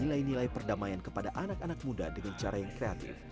dan menyebarkan nilai perdamaian kepada anak anak muda dengan cara yang kreatif